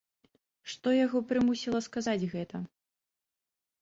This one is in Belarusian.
Што яго прымусіла сказаць гэта?